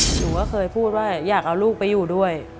หนูก็เคยพูดว่าอยากเอาลูกไปอยู่ด้วย